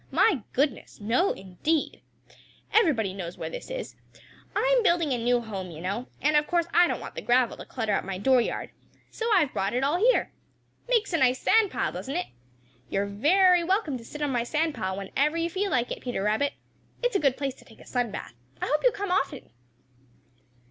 My goodness, no indeed! Everybody knows where this is. I'm building a new home, you know, and of course I don't want the gravel to clutter up my dooryard. So I've brought it all here. Makes a nice sand pile, doesn't it? You are very welcome to sit on my sand pile whenever you feel like it, Peter Rabbit. It's a good place to take a sun bath; I hope you'll come often."